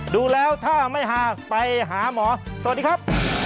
ดูแล้วถ้าไม่หาไปหาหมอสวัสดีครับ